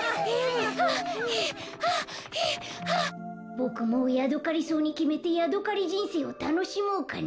ボクもうヤドカリソウにきめてヤドカリじんせいをたのしもうかな。